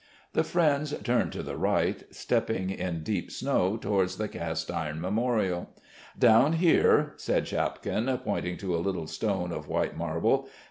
The friends turned to the right, stepping in deep snow towards the cast iron memorial. "Down here," said Shapkin, pointing to a little stone of white marble.